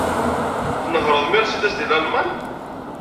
Tnehṛeḍ Mercedes deg Lalman?